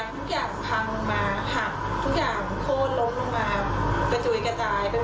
มาจากแม่นะคะแม่คือความกำลังใจที่เราต้อง